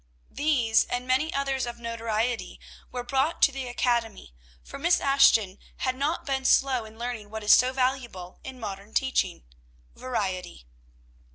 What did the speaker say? These, and many others of notoriety, were brought to the academy; for Miss Ashton had not been slow in learning what is so valuable in modern teaching, variety.